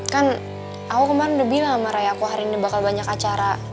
kan aku kemarin udah bilang sama raya aku hari ini bakal banyak acara